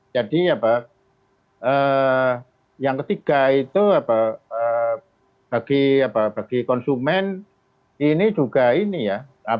jadi yang ketiga itu bagi konsumen ini juga ini ya